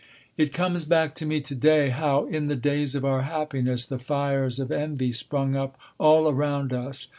It comes back to me today how, in the days of our happiness, the fires of envy sprung up all around us.